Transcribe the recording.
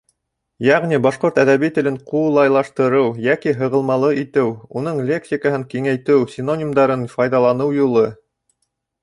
Йәғни башҡорт әҙәби телен ҡулайлаштырыу йәки һығылмалы итеү: уның лексикаһын киңәйтеү, синонимдарын файҙаланыу юлы.